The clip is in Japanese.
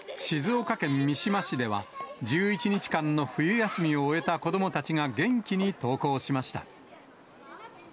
静岡県三島市では、１１日間の冬休みを終えた子どもたちが元気に登校しました。